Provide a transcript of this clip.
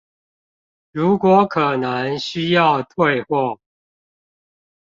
如果可能需要退貨